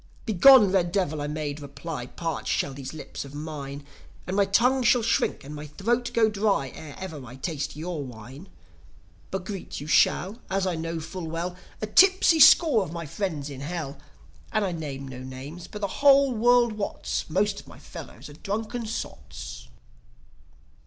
"Begone, red Devil!" I made reply. "Parch shall these lips of mine, And my tongue shall shrink, and my throat go dry, Ere ever I taste your wine! But greet you shall, as I know full well, A tipsy score of my friends in Hell. And I name no names, but the whole world wots Most of my fellows are drunken sots."